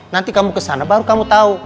nanti kamu kesana baru kamu tahu